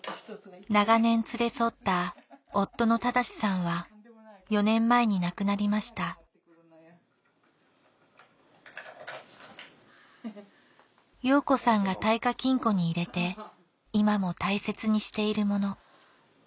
長年連れ添った夫の正さんは４年前に亡くなりました揚子さんが耐火金庫に入れて今も大切にしているもの